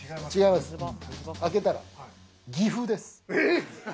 開けたら岐阜です。